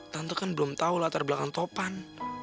tante kan belum tahu latar belakang topan